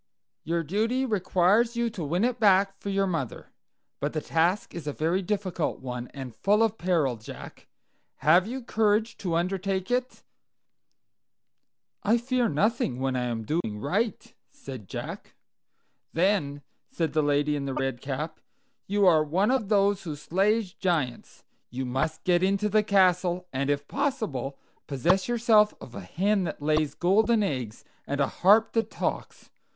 "Your duty requires you to win it back for your mother. But the task is a very difficult one, and full of peril, Jack. Have you courage to undertake it?" "I fear nothing when I am doing right," said Jack. "Then," said the lady in the red cap, "you are one of those who slay giants. You must get into the castle, and if possible possess yourself of a hen that lays golden eggs, and a harp that talks.